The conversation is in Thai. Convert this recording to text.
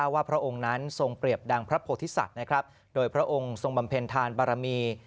พระองค์นั้นทรงเปรียบดังพระโพธิสัตว์โดยพระองค์ทรงบำเพ็ญทานบารมี